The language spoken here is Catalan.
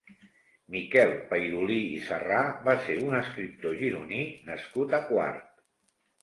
Miquel Pairolí i Sarrà va ser un escriptor gironí nascut a Quart.